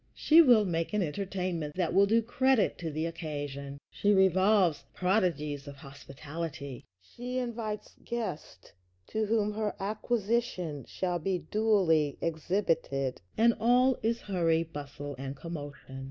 She will make an entertainment that will do credit to the occasion. She revolves prodigies of hospitality. She invites guests to whom her Acquisition shall be duly exhibited, and all is hurry, bustle, and commotion.